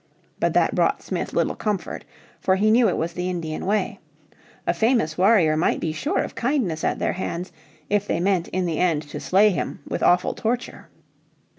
But that brought Smith little comfort. For he knew it was the Indian way. A famous warrior might be sure of kindness at their hands if they meant in the end to slay him with awful torture.